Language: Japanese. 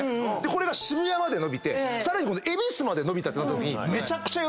これが渋谷まで延びてさらに恵比寿まで延びたってなったときに。